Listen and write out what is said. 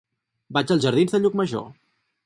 Vaig als jardins de Llucmajor.